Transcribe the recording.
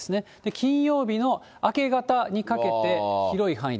金曜日の明け方にかけて、広い範囲で。